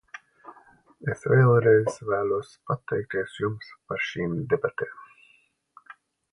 Es vēlreiz vēlos pateikties jums par šīm debatēm.